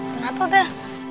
pernah apa ya